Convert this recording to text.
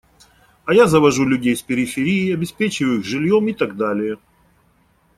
А я завожу людей с периферии, обеспечиваю их жильем и так далее.